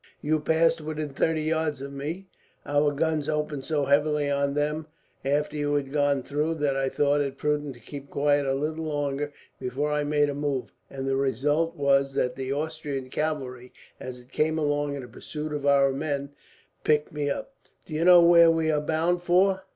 You passed within thirty yards of me. Our guns opened so heavily on them, after you had got through, that I thought it prudent to keep quiet a little longer before I made a move; and the result was that the Austrian cavalry, as it came along in the pursuit of our men, picked me up. "Do you know where we are bound for?"